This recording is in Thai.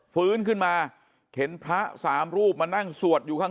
ฟื้นขึ้นมาเห็นพระสามรูปมานั่งสวดอยู่ข้าง